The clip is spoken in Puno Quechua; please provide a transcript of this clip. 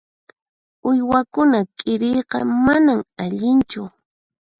Uywakuna k'iriyqa manan allinchu.